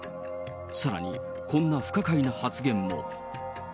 さらに、こんな不可解な発言も。